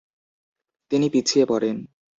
তিনি পিছিয়ে পড়েন।